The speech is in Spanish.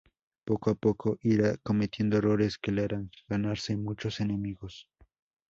Poco a poco, irá cometiendo errores que le harán ganarse muchos enemigos.